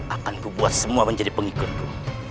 akan kubuat semua menjadi pengikutku